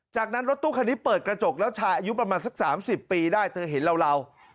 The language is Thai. จากนั้นรถตู้คันนี้เปิดกระจกแล้วชายอายุประมาณสัก๓๐ปีได้เธอเห็นเรา